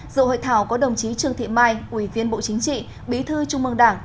dự hội thảo có đồng chí trương thị mai ủy viên bộ chính trị bí thư trung mương đảng